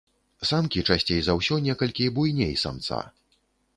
Самкі часцей за ўсё некалькі буйней самца.